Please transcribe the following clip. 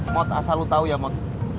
mot asal lo tau ya mot